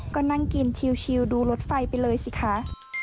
ก็นั่งกินชิวดูรถไฟไปเลยสิคะ